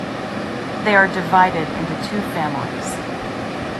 They are divided into two families.